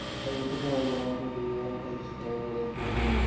পরেশ বিস্মিত হইয়া গোরার মুখের দিকে ক্ষণকাল দৃষ্টি রাখিয়া কহিলেন, তুমি নেই।